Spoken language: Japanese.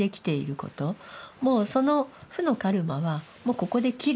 もうその負のカルマはもうここで切る。